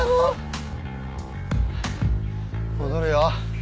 戻るよ。